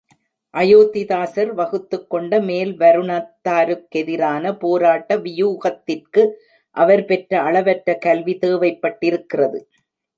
அயோத்திதாசர் வகுத்துக் கொண்ட மேல் வருணத்தாருக்கெதிரான போராட்ட வியூகத்திற்கு அவர் பெற்ற அளவற்ற கல்வி தேவைப்பட்டிருக்கிறது.